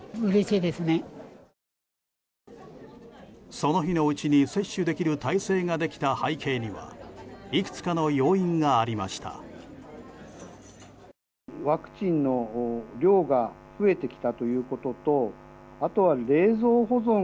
その日のうちに接種できる体制ができた背景にはいくつかの要因がありました。